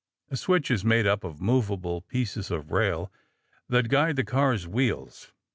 A switch is made up of movable pieces of rail that guide the cars' wheels.